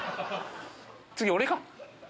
次俺か。